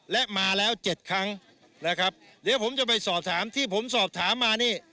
และมาแล้ว๗ครั้งนะครับเดี๋ยวผมจะไปสอบถามที่ผมสอบถามมานี่